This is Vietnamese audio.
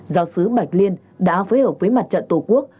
giáo sứ bạch liên đã phối hợp với mặt trận tổ quốc